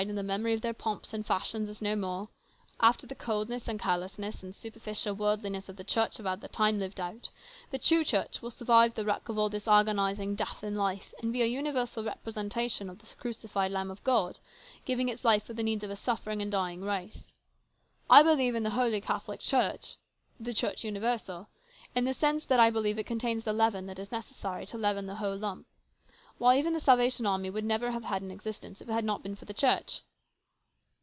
'249 and the memory of their pomps and fashion is no more, after the coldness and carelessness and superficial worldliness of the Church have had their time lived out, the true Church will survive the wreck of all this agonising death in life, and be a universal representation of the crucified Lamb of God, giving its life for the needs of a suffering and dying race. ' I believe in the holy catholic Church '* in the sense that I believe it contains the leaven that is necessary to leaven the whole lump. Why, even the Salvation Army never would have had an existence if it had not been for the Church."